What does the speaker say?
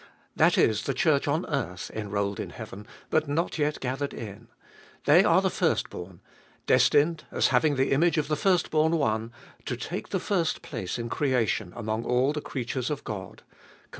That is, the Church on earth, enrolled in heaven, but not yet gathered in. They are the firstborn destined, as having the image of the firstborn One, to take the first place in creation among all the creatures of God (Col.